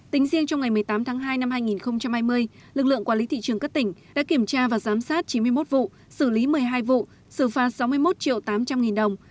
tính riêng trong ngày một mươi tám tháng hai năm hai nghìn hai mươi lực lượng quản lý thị trường các tỉnh đã kiểm tra và giám sát chín mươi một vụ xử lý một mươi hai vụ xử phạt sáu mươi một triệu tám trăm linh nghìn đồng